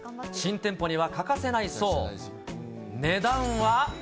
新店舗には欠かせないそう。